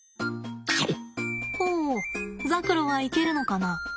おザクロはいけるのかな。